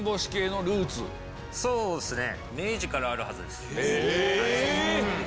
そうっすね。